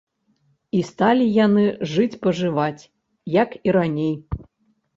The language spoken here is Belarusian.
І сталі яны жыць-пажываць, як і раней.